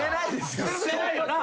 捨てないよなぁ。